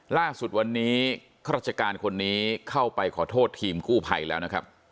ล่าสุดวันนี้ข้าราชการคนนี้เข้าไปขอโทษทีมกู้ภัยแล้วนะครับ